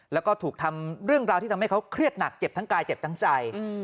แล้วก็ถูกทำเรื่องราวที่ทำให้เขาเครียดหนักเจ็บทั้งกายเจ็บทั้งใจ